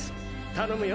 頼むよ。